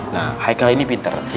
nah haikal ini pinter